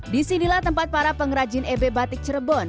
disinilah tempat para pengrajin eb batik cirebon